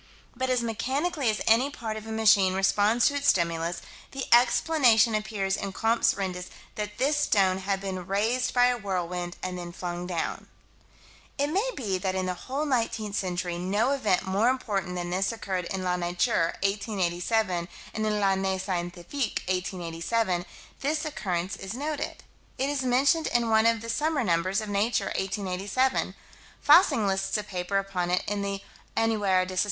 But as mechanically as any part of a machine responds to its stimulus, the explanation appears in Comptes Rendus that this stone had been raised by a whirlwind and then flung down. It may be that in the whole nineteenth century no event more important than this occurred. In La Nature, 1887, and in L'Année Scientifique, 1887, this occurrence is noted. It is mentioned in one of the summer numbers of Nature, 1887. Fassig lists a paper upon it in the _Annuaire de Soc.